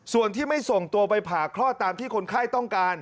ส่วนที่ไม่ส่งตัวไปผ่าคลอดตามที่คนไข้ต้องการ